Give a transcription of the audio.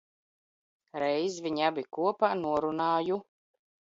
Reiz vi?i abi kop? norun?ju